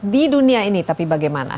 di dunia ini tapi bagaimana